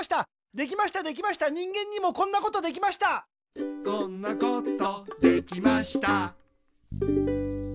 できましたできました人間にもこんなことできましたみなさんこんにちは。